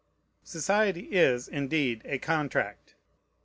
Society is, indeed, a contract.